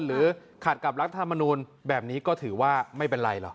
หรือขัดกับรัฐธรรมนูลแบบนี้ก็ถือว่าไม่เป็นไรหรอก